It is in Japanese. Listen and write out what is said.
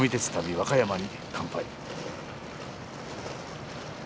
和歌山に乾杯。